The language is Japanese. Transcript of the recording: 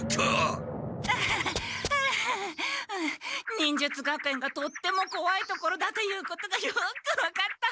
忍術学園がとってもこわい所だということがよく分かった。